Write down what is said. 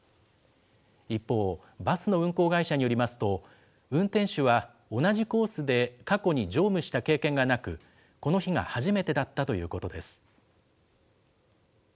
一方、バスの運行会社によりますと、運転手は、同じコースで過去に乗務した経験がなく、この日が初めてだったということです。